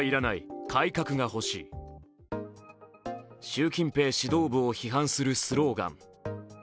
習近平指導部を批判するスローガン。